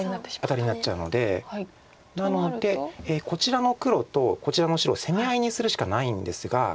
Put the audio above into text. アタリになっちゃうのでなのでこちらの黒とこちらの白を攻め合いにするしかないんですが。